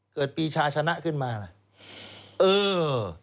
เกิดปีชาชนะขึ้นมาล่ะเออ